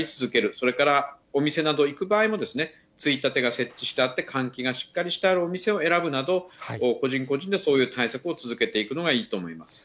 それからお店など行く場合も、ついたてが設置してあって、換気がしっかりしてあるお店を選ぶなど、個人個人でそういう対策を続けていくのがいいと思います。